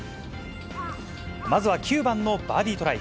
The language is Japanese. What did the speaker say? まずは９番のバーディートライ。